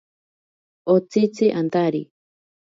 Otsitzi antari.